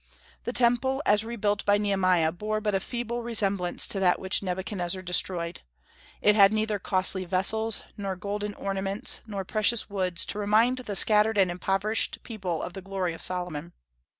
The Temple as rebuilt by Nehemiah bore but a feeble resemblance to that which Nebuchadnezzar destroyed; it had neither costly vessels nor golden ornaments nor precious woods to remind the scattered and impoverished people of the glory of Solomon.